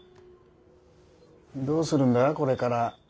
どうするんだこれから。